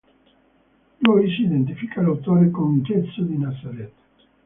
Joyce identifica l'autore con Gesù di Nazaret.